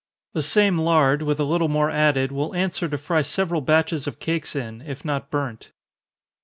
The same lard, with a little more added, will answer to fry several batches of cakes in, if not burnt.